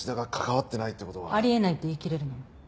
あり得ないって言いきれるの？